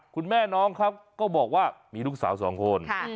คุณแม่น้องครับก็บอกว่ามีลูกสาวสองคน